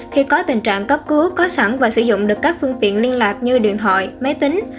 khi có tình trạng cấp cứu có sẵn và sử dụng được các phương tiện liên lạc như điện thoại máy tính